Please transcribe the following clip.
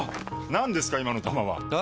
何ですか今の球は！え？